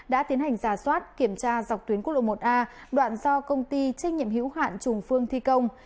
đã tiến hành giả soát kiểm tra dọc tuyến quốc lộ một a đoạn do công ty trách nhiệm hữu hạn trùng phương thi công